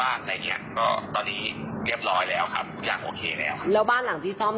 อ่ายคิดว่าติดกี่ตัวดีคะ